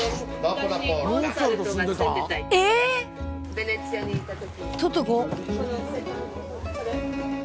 ベネチアにいた時。